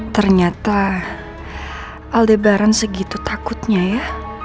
ternyata aldebaran segitu takutnya ya